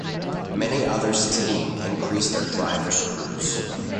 Many others team increase their drivers crews.